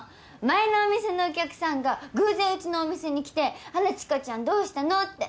前のお店のお客さんが偶然うちのお店に来てあら知花ちゃんどうしたの？って。